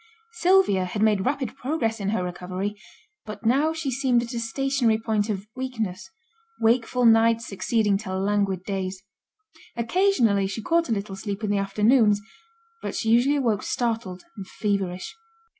Sylvia had made rapid progress in her recovery; but now she seemed at a stationary point of weakness; wakeful nights succeeding to languid days. Occasionally she caught a little sleep in the afternoons, but she usually awoke startled and feverish.